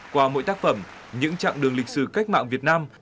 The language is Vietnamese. qua mỗi tác phẩm những chặng đường lịch sử cách mạng việt nam